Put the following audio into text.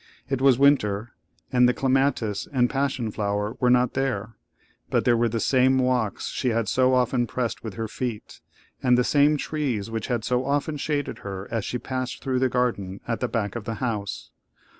It was winter, and the clematis and passion flower were not there; but there were the same walks she had so often pressed with her feet, and the same trees which had so often shaded her as she passed through the garden at the back of the house.